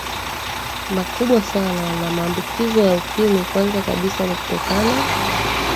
makubwa sana na maambukizo ya ukimwi Kwanza kabisa ni kutokana